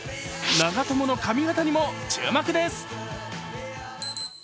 長友の髪形にも注目です。